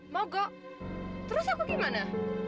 mogok terus aku gimana